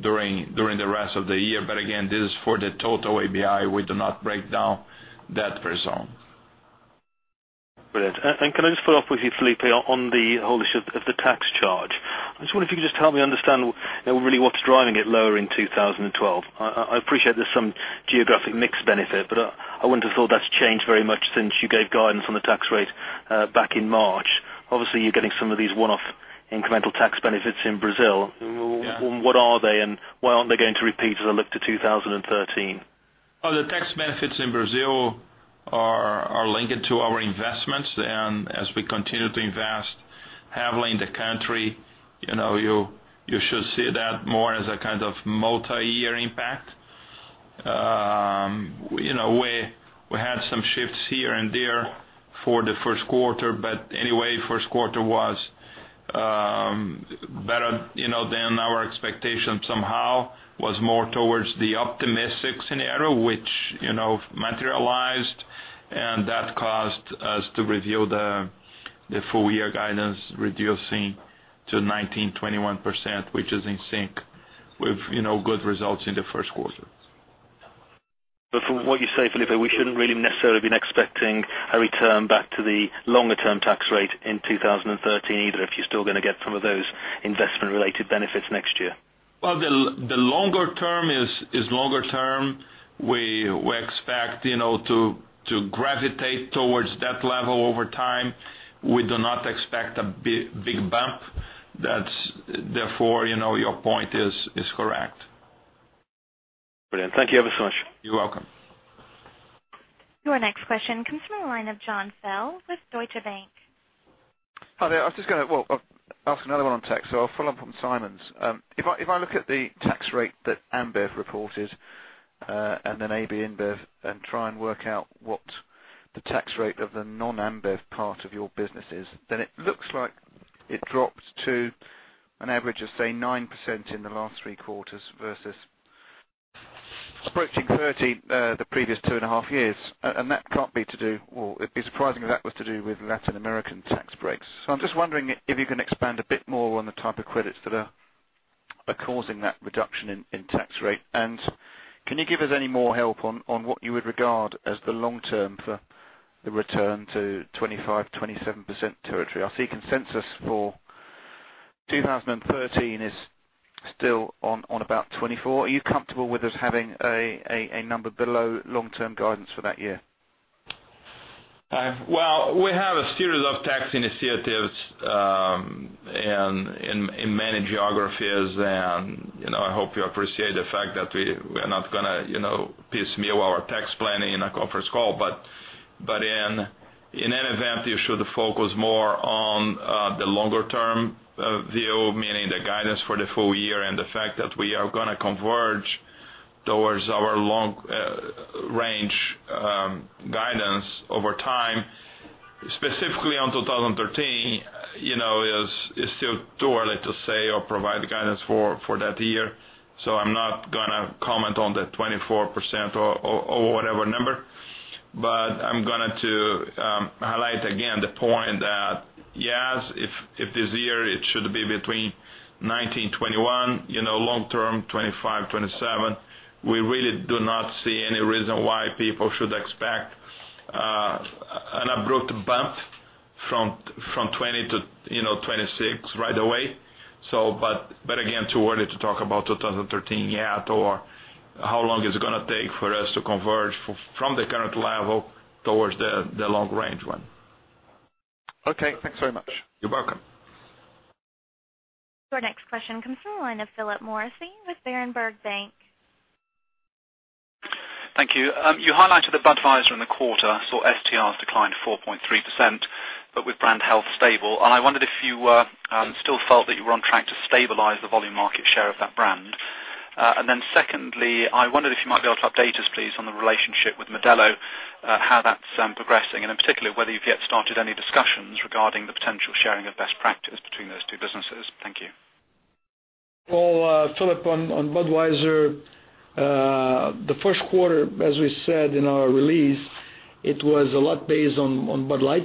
during the rest of the year. Again, this is for the total ABI, we do not break down that per zone. Brilliant. Can I just follow up with you, Felipe, on the whole issue of the tax charge. I just wonder if you could just help me understand, really what's driving it lower in 2012. I appreciate there's some geographic mix benefit, I wouldn't have thought that's changed very much since you gave guidance on the tax rate back in March. Obviously, you're getting some of these one-off incremental tax benefits in Brazil. Yeah. What are they and why aren't they going to repeat as I look to 2013? Oh, the tax benefits in Brazil are linked to our investments. As we continue to invest heavily in the country, you should see that more as a kind of multi-year impact. We had some shifts here and there for the first quarter, anyway, first quarter was better than our expectation somehow, was more towards the optimistic scenario, which materialized, and that caused us to review the full year guidance, reducing to 19.0%-21.0%, which is in sync with good results in the first quarter. From what you say, Felipe, we shouldn't really necessarily have been expecting a return back to the longer-term tax rate in 2013 either, if you're still going to get some of those investment-related benefits next year. Well, the longer term is longer term. We expect to gravitate towards that level over time. We do not expect a big bump. Therefore, your point is correct. Brilliant. Thank you ever so much. You're welcome. Your next question comes from the line of Jon Fell with Deutsche Bank. Hi there. I was just going to ask another one on tax, so I'll follow up on Simon's. If I look at the tax rate that AmBev reported, then AB InBev and try and work out what the tax rate of the non-AmBev part of your business is, then it looks like it dropped to an average of, say, 9% in the last three quarters versus approaching 30% the previous two and a half years. It'd be surprising if that was to do with Latin American tax breaks. I'm just wondering if you can expand a bit more on the type of credits that are causing that reduction in tax rate. Can you give us any more help on what you would regard as the long term for the return to 25%-27% territory? I see consensus for 2013 is still on about 24%. Are you comfortable with us having a number below long-term guidance for that year? We have a series of tax initiatives in many geographies. I hope you appreciate the fact that we are not going to piecemeal our tax planning in a conference call. In any event, you should focus more on the longer-term view, meaning the guidance for the full year and the fact that we are going to converge towards our long-range guidance over time. Specifically on 2013, it's still too early to say or provide the guidance for that year. I'm not going to comment on the 24% or whatever number. I'm going to highlight again the point that, yes, if this year it should be between 19%-21%, long term, 25%-27%, we really do not see any reason why people should expect an abrupt bump from 20%-26% right away. Again, too early to talk about 2013 yet or how long is it going to take for us to converge from the current level towards the long-range one. Thanks very much. You're welcome. Your next question comes from the line of Philip Morrissey with Berenberg Bank. Thank you. You highlighted that Budweiser in the quarter saw STRs decline 4.3%, but with brand health stable. I wondered if you still felt that you were on track to stabilize the volume market share of that brand. Secondly, I wondered if you might be able to update us, please, on the relationship with Modelo, how that's progressing, and in particular, whether you've yet started any discussions regarding the potential sharing of best practice between those two businesses. Thank you. Well, Philip, on Budweiser, the first quarter, as we said in our release, it was a lot based on Bud Light,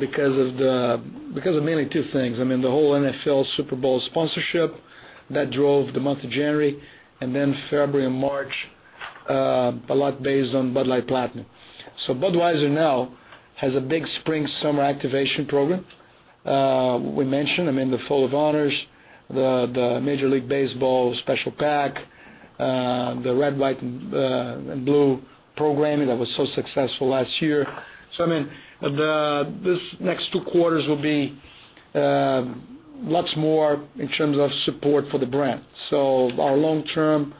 because of mainly two things. The whole NFL Super Bowl sponsorship, that drove the month of January, February and March, a lot based on Bud Light Platinum. Budweiser now has a big spring/summer activation program. We mentioned, the Folds of Honor, the Major League Baseball special pack, the Red, White, and Blue programming that was so successful last year. These next two quarters will be lots more in terms of support for the brand. Our long term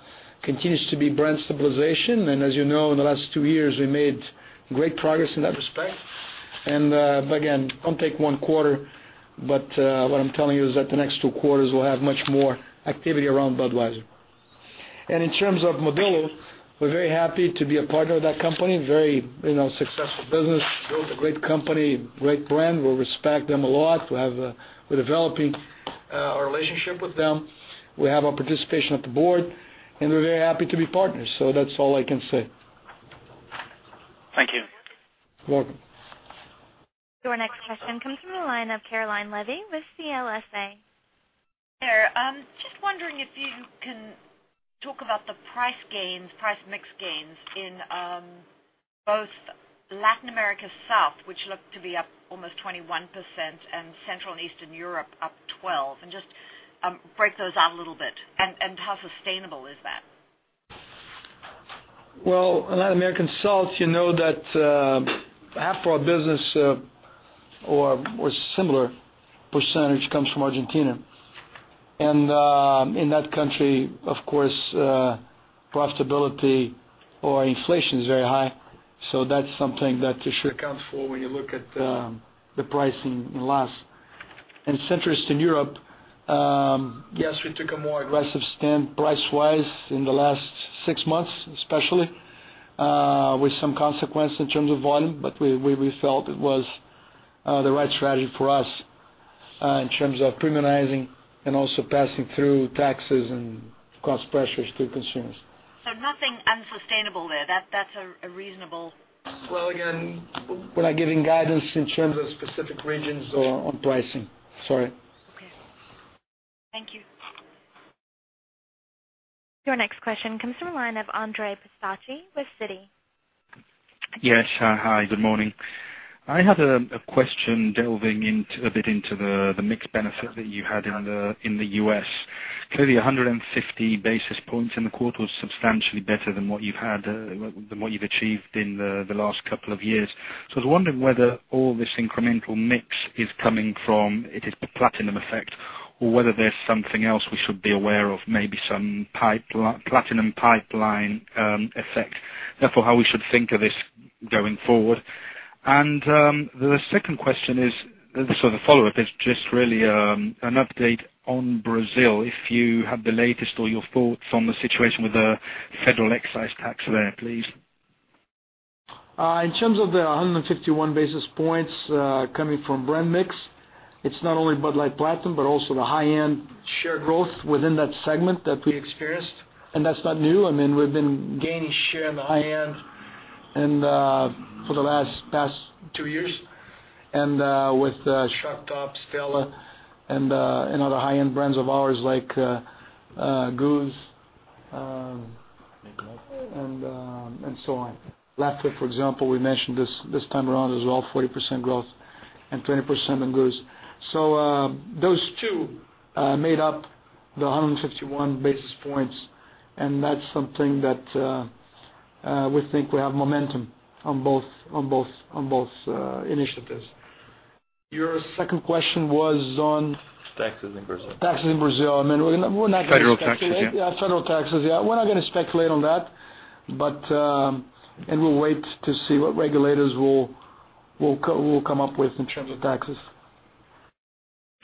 continues to be brand stabilization, and as you know, in the last two years, we made great progress in that respect. Again, don't take one quarter, but what I'm telling you is that the next two quarters will have much more activity around Budweiser. In terms of Modelo, we're very happy to be a partner of that company. Very successful business, built a great company, great brand. We respect them a lot. We're developing our relationship with them. We have our participation at the board, and we're very happy to be partners. That's all I can say. Thank you. You're welcome. Your next question comes from the line of Caroline Levy with CLSA. Just wondering if you can talk about the price gains, price mix gains, in both Latin America South, which looked to be up almost 21%, and Central and Eastern Europe up 12%, and just break those out a little bit. How sustainable is that? Well, Latin America South, you know that half our business or similar percentage comes from Argentina. In that country, of course profitability or inflation is very high, so that's something that you should account for when you look at the pricing in LAS. In Central and Eastern Europe, yes, we took a more aggressive stand price-wise in the last six months, especially, with some consequence in terms of volume. We felt it was the right strategy for us in terms of premiumizing and also passing through taxes and cost pressures to consumers. Nothing unsustainable there. That's a reasonable. Well, again, we're not giving guidance in terms of specific regions or on pricing. Sorry. Okay. Thank you. Your next question comes from the line of Andrea Pistacchi with Citi. Yes, hi. Good morning. I had a question delving a bit into the mixed benefit that you had in the U.S. Clearly 150 basis points in the quarter was substantially better than what you've achieved in the last couple of years. I was wondering whether all this incremental mix is coming from, it is the Platinum effect or whether there's something else we should be aware of, maybe some Platinum pipeline effect, therefore how we should think of this going forward. The second question is, the follow-up is just really an update on Brazil, if you have the latest or your thoughts on the situation with the federal excise tax there, please. In terms of the 151 basis points coming from brand mix, it's not only Bud Light Platinum, but also the high-end share growth within that segment that we experienced. That's not new. We've been gaining share in the high-end for the last past two years, with Shock Top, Stella, and other high-end brands of ours like Goose and so on. Leinenkugel's, for example, we mentioned this time around is all 40% growth and 20% in Goose. Those two made up the 151 basis points, and that's something that we think we have momentum on both initiatives. Taxes in Brazil. Taxes in Brazil. Federal taxes, yeah. Yeah, federal taxes, yeah. We're not going to speculate on that. We'll wait to see what regulators will come up with in terms of taxes.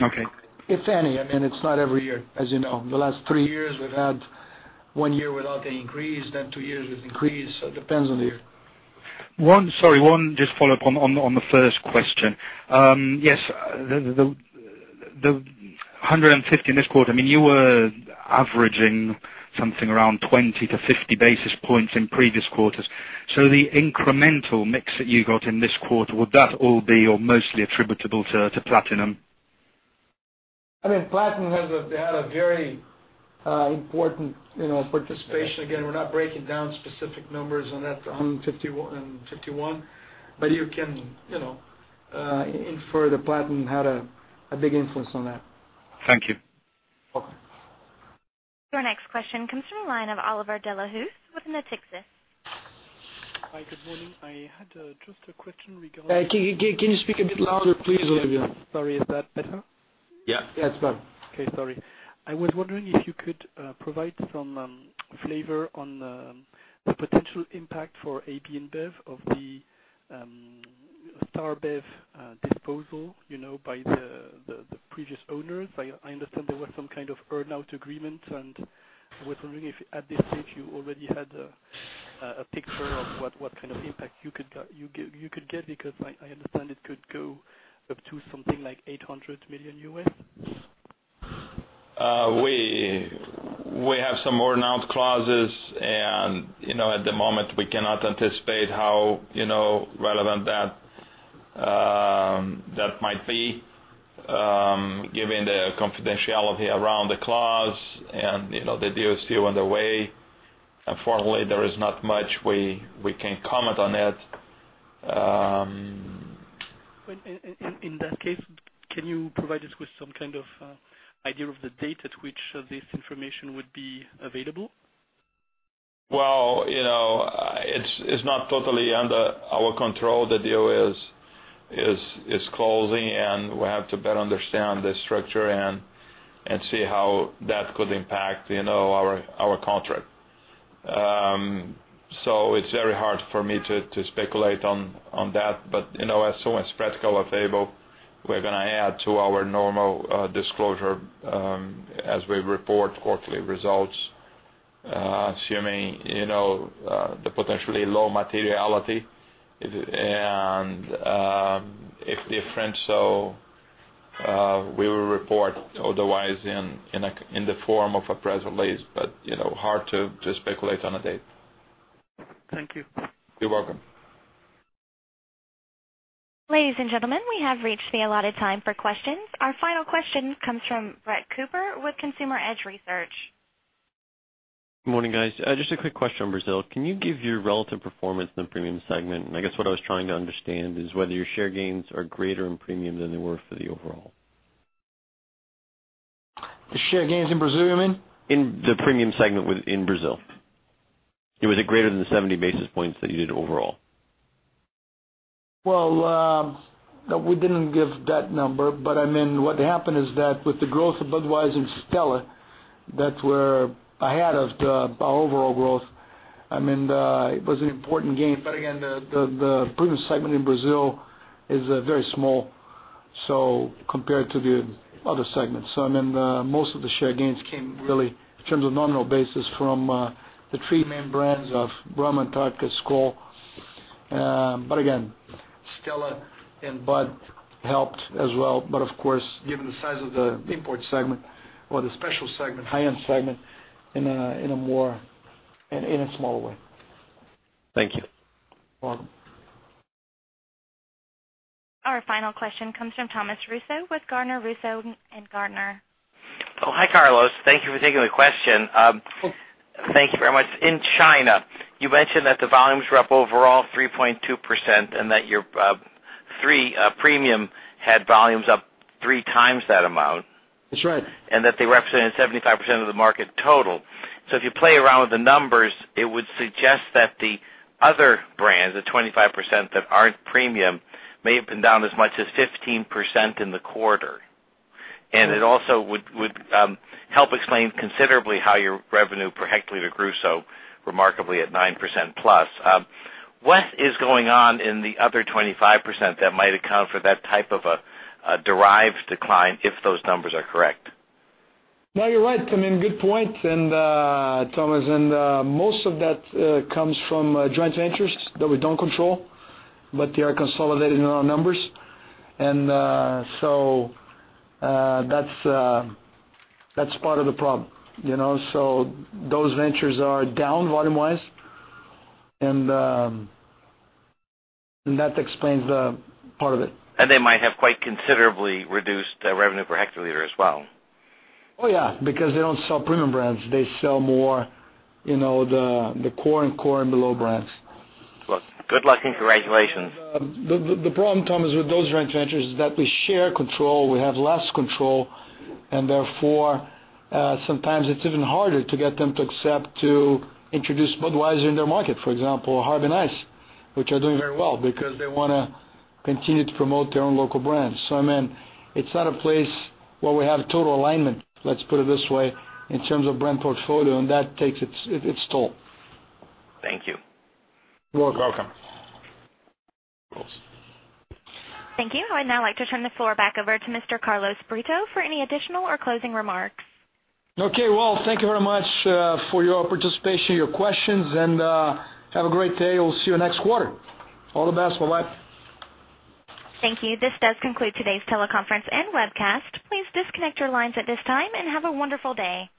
Okay. If any. It's not every year, as you know. The last three years, we've had one year without any increase, then two years with increase. It depends on the year. One, sorry, one just follow-up on the first question. Yes. The 150 in this quarter, you were averaging something around 20 to 50 basis points in previous quarters. The incremental mix that you got in this quarter, would that all be or mostly attributable to Platinum? Platinum had a very important participation. Again, we're not breaking down specific numbers on that 151, you can infer that Platinum had a big influence on that. Thank you. Welcome. Your next question comes from the line of Oliver Delahousse with Natixis. Hi, good morning. I had just a question regarding. Can you speak a bit louder, please, Olivier? Sorry, is that better? Yeah, that's better. Okay, sorry. I was wondering if you could provide some flavor on the potential impact for AB InBev of the StarBev disposal, by the previous owners. I understand there was some kind of earn-out agreement. I was wondering if at this stage you already had a picture of what kind of impact you could get, because I understand it could go up to something like $800 million? We have some earn-out clauses. At the moment, we cannot anticipate how relevant that might be, given the confidentiality around the clause and the deal is still underway. Unfortunately, there is not much we can comment on it. In that case, can you provide us with some kind of idea of the date at which this information would be available? It's not totally under our control. The deal is closing, and we have to better understand the structure and see how that could impact our contract. It's very hard for me to speculate on that. As soon as practical or able, we're going to add to our normal disclosure, as we report quarterly results, assuming the potentially low materiality, and if different, so we will report otherwise in the form of a press release, but hard to speculate on a date. Thank you. You're welcome. Ladies and gentlemen, we have reached the allotted time for questions. Our final question comes from Brett Cooper with Consumer Edge Research. Morning, guys. Just a quick question on Brazil. Can you give your relative performance in the premium segment? I guess what I was trying to understand is whether your share gains are greater in premium than they were for the overall. The share gains in Brazil, you mean? In the premium segment within Brazil. Was it greater than the 70 basis points that you did overall? Well, no, we didn't give that number, what happened is that with the growth of Budweiser and Stella, that's where ahead of our overall growth, it was an important gain. Again, the premium segment in Brazil is very small, compared to the other segments. Most of the share gains came really, in terms of nominal basis from, the three main brands of Brahma, Antarctica, Skol. Again, Stella and Bud helped as well. Of course, given the size of the import segment or the special segment, high-end segment in a smaller way. Thank you. Welcome. Our final question comes from Thomas Russo with Gardner Russo & Gardner. Hi, Carlos. Thank you for taking my question. Of course. Thank you very much. In China, you mentioned that the volumes were up overall 3.2% and that your 3 premium had volumes up three times that amount. That's right. That they represented 75% of the market total. If you play around with the numbers, it would suggest that the other brands, the 25% that aren't premium, may have been down as much as 15% in the quarter. It also would help explain considerably how your revenue per hectoliter grew so remarkably at 9% plus. What is going on in the other 25% that might account for that type of a derived decline if those numbers are correct? No, you're right. Good point, Thomas, and most of that comes from joint ventures that we don't control, but they are consolidated in our numbers. That's part of the problem. Those ventures are down volume-wise, and that explains part of it. They might have quite considerably reduced revenue per hectoliter as well. Oh, yeah. They don't sell premium brands. They sell more the core and below brands. Good luck and congratulations. The problem, Thomas, with those joint ventures is that we share control. We have less control, and therefore, sometimes it's even harder to get them to accept to introduce Budweiser in their market, for example, or Harbin Ice, which are doing very well because they want to continue to promote their own local brands. It's not a place where we have total alignment, let's put it this way, in terms of brand portfolio, and that takes its toll. Thank you. You're welcome. Thank you. I'd now like to turn the floor back over to Mr. Carlos Brito for any additional or closing remarks. Okay, well, thank you very much for your participation, your questions, and have a great day. We'll see you next quarter. All the best. Bye-bye. Thank you. This does conclude today's teleconference and webcast. Please disconnect your lines at this time and have a wonderful day.